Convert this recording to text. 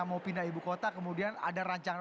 mau pindah ibu kota kemudian ada rancangan